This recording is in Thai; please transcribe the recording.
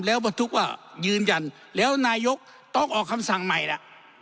แล้วบรรทุกว่ายืนยันแล้วนายกต้องออกคำสั่งใหม่ล่ะ